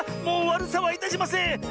もうわるさはいたしません！